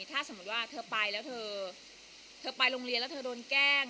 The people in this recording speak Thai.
ถ้าสมมุติว่าเธอไปแล้วเธอไปโรงเรียนแล้วเธอโดนแกล้ง